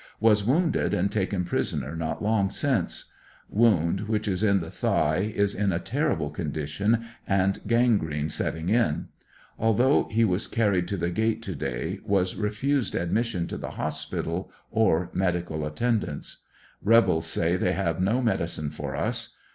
Was wounded and taken prisoner not long since Wound, which IS in the thigh, is in a terrible condition, and gangrene set ting in . Although he was carried to the gate to day, was refused admission to tne hospital or medical attendance. Kebels say they have no medicine for us.